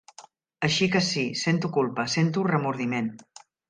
Així que sí, sento culpa, sento remordiment.